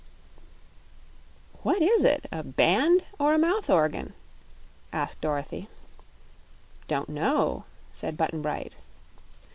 "What is it, a band or a mouth organ?" asked Dorothy. "Don't know," said Button Bright.